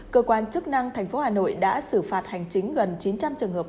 cơ quan chức năng tp hà nội đã xử phạt hành chính gần chín trăm linh trường hợp